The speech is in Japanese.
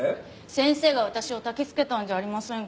先生が私をたきつけたんじゃありませんか。